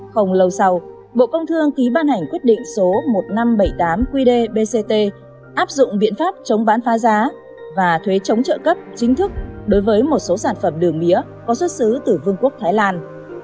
không lâu sau bộ công thương ký ban hành quyết định số một nghìn năm trăm bảy mươi tám qdbct áp dụng biện pháp chống bán phá giá và thuế chống trợ cấp chính thức đối với một số sản phẩm đường mía có xuất xứ từ vương quốc thái lan